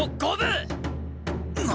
何！？